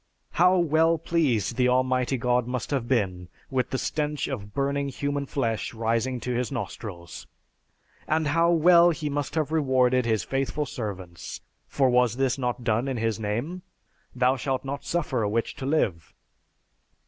How well pleased the Almighty God must have been with the stench of burning human flesh rising to his nostrils. And how well he must have rewarded his faithful servants, for was this not done in His name? "Thou shalt not suffer a witch to live."